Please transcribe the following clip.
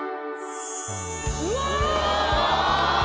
うわ！